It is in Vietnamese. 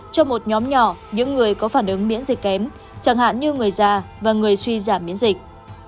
cho một nhóm nhỏ những người có phản ứng miễn dịch kém chẳng hạn như người già và người suy giảm miễn dịch